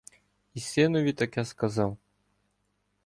І синові таке сказав: